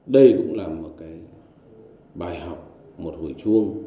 đây cũng là một cái bài học một hồi chuông